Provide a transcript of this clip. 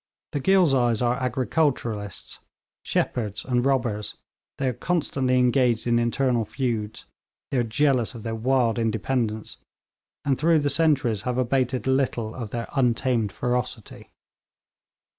The Ghilzais are agriculturists, shepherds, and robbers; they are constantly engaged in internal feuds; they are jealous of their wild independence, and through the centuries have abated little of their untamed ferocity.